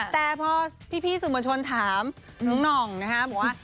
แต่พอพี่สื่อมวลชนถามน้องนะครับว่า